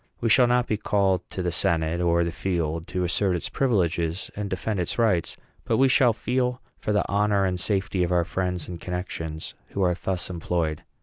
We shall not be called to the senate or the field to assert its privileges and defend its rights, but we shall feel, for the honor and safety of our friends and connections who are thus employed.